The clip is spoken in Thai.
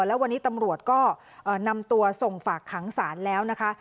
แล้ววันนี้ตำรวจก็นำตัวส่งฝากขังศาลแล้วนะคะ